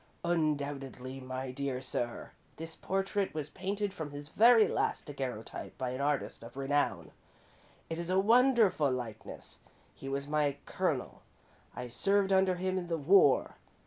"Undoubtedly, my dear sir. This portrait was painted from his very last daguerreotype by an artist of renown. It is a wonderful likeness. He was my Colonel I served under him in the war.